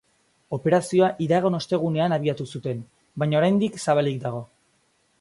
Operazioa iragan ostegunean abiatu zuten, baina oraindik zabalik dago.